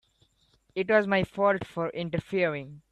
It was my fault for interfering.